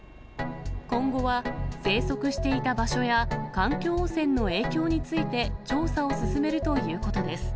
今後は生息していた場所や、環境汚染の影響について調査を進めるということです。